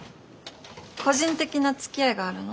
個人的なつきあいがあるの？